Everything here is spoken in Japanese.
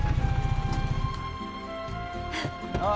ああ。